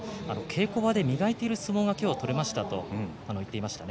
稽古場で磨いている相撲が今日取れましたと言っていました。